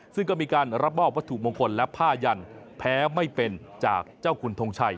ซึ่งก็มีการรับมอบวัตถุมงคลและผ้ายันแพ้ไม่เป็นจากเจ้าคุณทงชัย